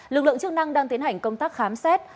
lực lượng chức năng đang tiến hành công tác khám xét